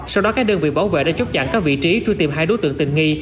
sau đó các đơn vị bảo vệ đã chốt chặn các vị trí truy tìm hai đối tượng tình nghi